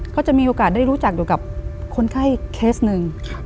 เขาจะมีโอกาสได้รู้จักอยู่กับคนไข้เคสหนึ่ง